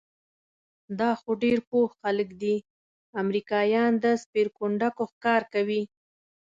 دا خو ډېر پوه خلک دي، امریکایان د سپېرکونډکو ښکار کوي؟